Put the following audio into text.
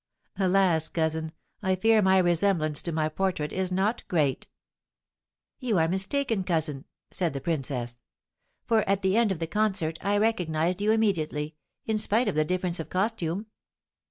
"Alas, cousin, I fear my resemblance to my portrait is not great!" "You are mistaken, cousin," said the princess. "For at the end of the concert I recognised you immediately, in spite of the difference of costume."